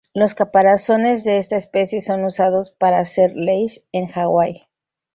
Los caparazones de esta especie son usados para hacer Leis en Hawaii.